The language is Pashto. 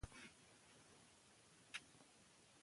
ماشومه اوس په پارک کې ګرځي.